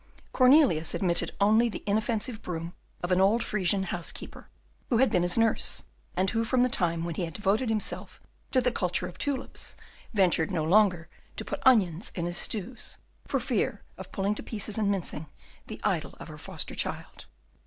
Cornelius admitted only the inoffensive broom of an old Frisian housekeeper, who had been his nurse, and who from the time when he had devoted himself to the culture of tulips ventured no longer to put onions in his stews, for fear of pulling to pieces and mincing the idol of her foster child.